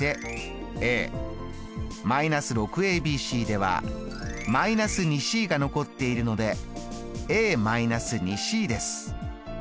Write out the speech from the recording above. −６ｂｃでは−２ｃが残っているので−２ｃです。